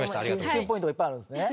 きゅんポイントがいっぱいあるんですね。